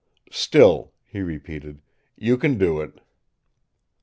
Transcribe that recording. "Still," he repeated, "you can do it."